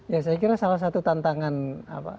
ya saya kira salah satu tantangan apa